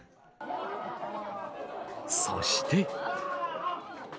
そして。